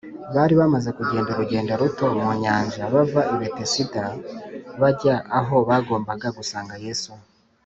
bari bamaze kugenda urugendo ruto mu nyanja bava i betesida bajya aho bagombaga gusanga yesu